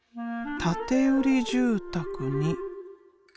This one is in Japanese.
建て売り住宅に。